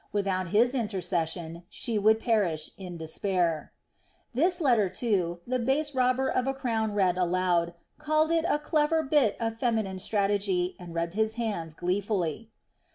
Without his intercession she would perish in despair. This letter, too, the base robber of a crown read aloud, called it a clever bit of feminine strategy, and rubbed his hands gleefully.